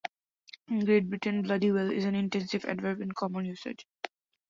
In Great Britain, "bloody well" is an intensive adverb in common usage.